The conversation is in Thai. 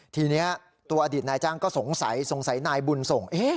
ทีนี้ตัวอดีตนายจ้างก็สงสัยสงสัยนายบุญส่ง